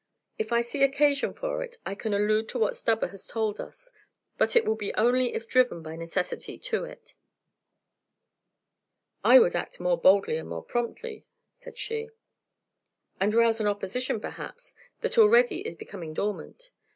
If I see occasion for it, I can allude to what Stubber has told us; but it will be only if driven by necessity to it." "I would act more boldly and more promptly," said she. "And rouse an opposition, perhaps, that already is becoming dormant.